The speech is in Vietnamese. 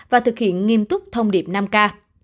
và thực hiện nghiêm túc thông điệp năm k